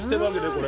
これ。